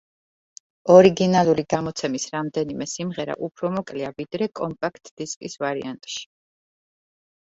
ორიგინალური გამოცემის რამდენიმე სიმღერა უფრო მოკლეა, ვიდრე კომპაქტ დისკის ვარიანტში.